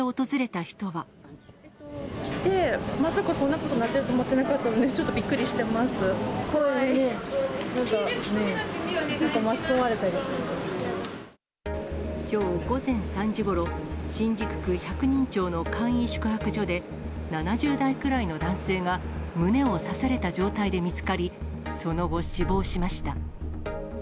なんか、巻き込まれきょう午前３時ごろ、新宿区百人町の簡易宿泊所で、７０代くらいの男性が、胸を刺された状態で見つかり、その後、死亡しました。